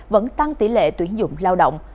vẫn tăng tỷ lệ tuyển dụng lao động